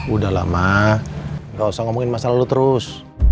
udah lama gak usah ngomongin masalah lo terus